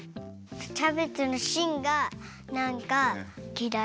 キャベツのしんがなんかきらい。